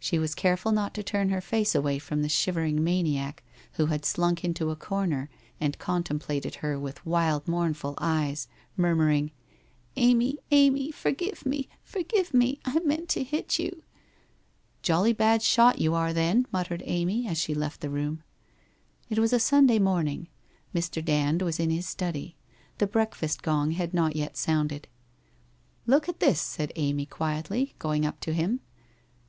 She was careful not to turn her face away from the shivering maniac who had slunk into a corner and contemplated her with wild mournful eyes, murmuring, ' Amy, Amy, forgive me ! Forgive me ! I meant to hit you.' ' Jolly bad shot you are, then/ muttered Amy as she left the room. It was a Sunday morning. Mr. Dand was in his study. The breakfast gong had not yet sounded. ' Look at this,' said Amy quietly, going up to him.